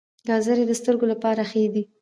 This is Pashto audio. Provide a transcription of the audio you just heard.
ګازرې د سترګو لپاره ښې دي